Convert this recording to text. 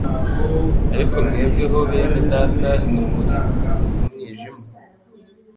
"Ariko mwebwe ho bene data, ntimuri mu mwijima,